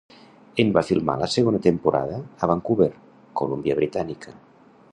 En va filmar la segona Temporada a Vancouver, Colúmbia Britànica.